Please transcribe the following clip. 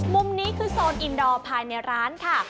มุมนี้คือโซนอินดอร์ภายในร้านค่ะ